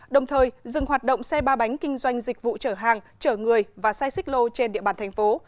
đồng thời dừng hoạt động xe ba bánh kinh doanh dịch vụ chở hàng chở người và xe xích lô trên địa bàn thành phố